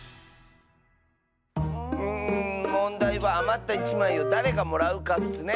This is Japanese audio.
うんもんだいはあまった１まいをだれがもらうかッスね。